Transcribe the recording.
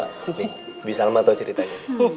nih bisa lama tau ceritanya